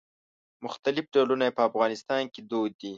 مختلف ډولونه یې په افغانستان کې دود دي.